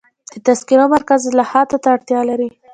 د تذکرو مرکز اصلاحاتو ته اړتیا لري.